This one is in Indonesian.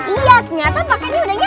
iya ternyata paketnya udah nyamper